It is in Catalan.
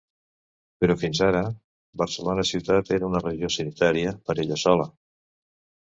Però fins ara, Barcelona ciutat era una regió sanitària per ella sola.